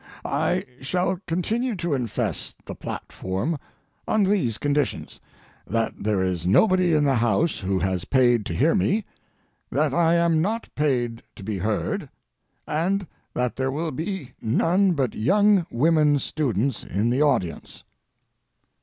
I shall continue to infest the platform on these conditions—that there is nobody in the house who has paid to hear me, that I am not paid to be heard, and that there will be none but young women students in the audience.